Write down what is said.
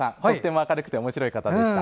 明るくておもしろい方でした。